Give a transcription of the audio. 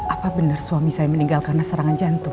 apa benar suami saya meninggal karena serangan jantung